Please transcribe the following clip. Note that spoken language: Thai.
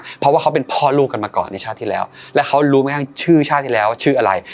เพราะว่าเขาเป็นพ่อลูกกันมาก่อนในชาติที่แล้วแล้วเขารู้ไหมฮะชื่อชาติที่แล้วชื่ออะไร